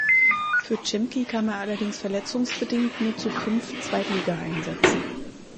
Für Chimki kam er allerdings verletzungsbedingt nur zu fünf Zweitligaeinsätzen.